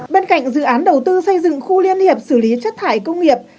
bên cạnh dự án đầu tư xây dựng khu liên hiệp xử lý chất thải công nghiệp